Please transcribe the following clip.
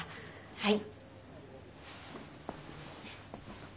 はい。